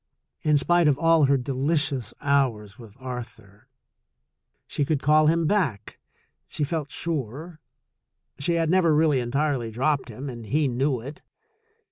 In spite of all her delicious hours with Arthur, she could call him back, she felt sure. She had never really entirely dropped him, and he knew it.